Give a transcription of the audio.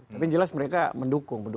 tapi jelas mereka mendukung